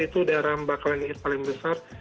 itu daerah bakalan paling besar